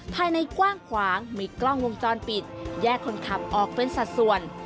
ภายในกว้างขวางมีกล้องวงจรปิดแยกคนขับออกเป็นสัดส่วน